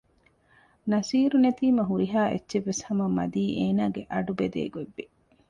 ނަޞީރު ނެތީމާ ހުރިހާ އެއްޗެއްވެސް ހަމަ މަދީ އޭނާގެ އަޑު ބެދޭގޮތް ވި